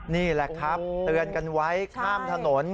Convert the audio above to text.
นี่แหละครับเตือนกันไว้ข้ามถนน